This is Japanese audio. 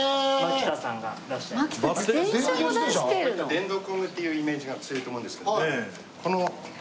電動工具っていうイメージが強いと思うんですけど